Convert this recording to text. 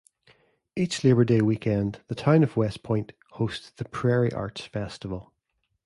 Each Labor Day weekend the town of West Point hosts the Prairie Arts Festival.